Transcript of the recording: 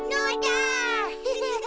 フフフ。